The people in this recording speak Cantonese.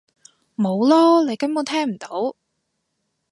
冇囉！你根本聽唔到！